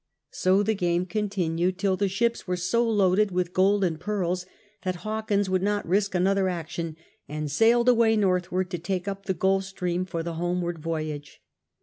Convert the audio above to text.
So the game continued, till the ships were so loaded with gold and pearls that Hawkins would not risk another action, and sailed away northward to take up the Gulf Stream for the homeward voyage.